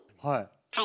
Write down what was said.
はい。